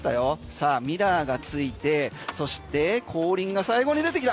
さあミラーがついてそして後輪が最後に出てきた。